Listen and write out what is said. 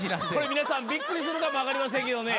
皆さんびっくりするかもわかりませんけどね。